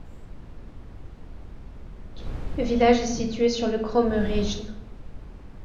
Le village est situé sur le Kromme Rijn.